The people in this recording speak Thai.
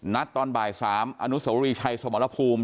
ตอนบ่าย๓อนุสวรีชัยสมรภูมิ